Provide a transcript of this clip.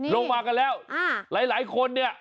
รวมมากันแล้วเหล้าหลายคนเนี่ย